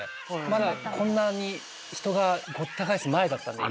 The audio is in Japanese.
まだこんなに人がごった返す前だったんで。